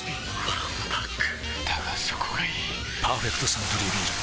わんぱくだがそこがいい「パーフェクトサントリービール糖質ゼロ」